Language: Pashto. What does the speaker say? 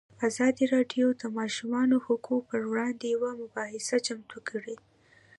ازادي راډیو د د ماشومانو حقونه پر وړاندې یوه مباحثه چمتو کړې.